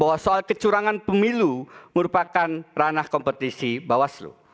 bahwa soal kecurangan pemilu merupakan ranah kompetisi bawah seluruh